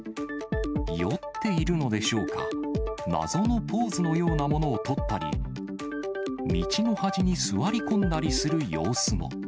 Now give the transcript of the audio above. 酔っているのでしょうか、謎のポーズのようなものをとったり、道の端に座り込んだりする様子も。